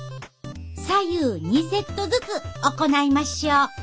左右２セットずつ行いましょ。